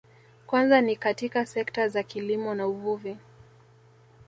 Kwanza ni katika sekta za kilimo na uvuvi